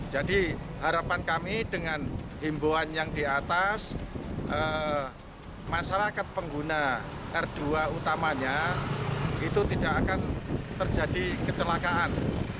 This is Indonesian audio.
jadi harapan kami dengan bimboan yang di atas masyarakat pengguna r dua utamanya itu tidak akan terjadi kecelakaan